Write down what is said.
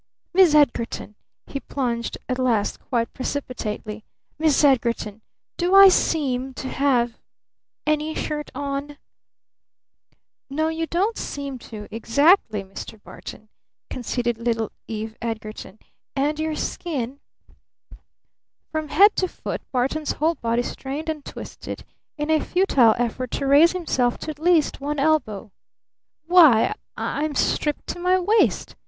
"Miss Edgarton!" he plunged at last quite precipitately. "Miss Edgarton! Do I seem to have any shirt on?" "No, you don't seem to, exactly, Mr. Barton," conceded little Eve Edgarton. "And your skin " From head to foot Barton's whole body strained and twisted in a futile effort to raise himself to at least one elbow. "Why, I'm stripped to my waist!"